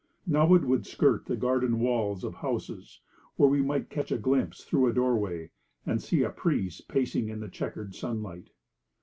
Now it would skirt the garden walls of houses, where we might catch a glimpse through a doorway, and see a priest pacing in the chequered sunlight.